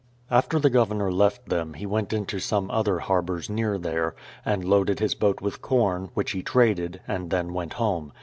After the Governor left them, he went into some other harbours near there, and loaded his boat with com, which he traded, and then went home.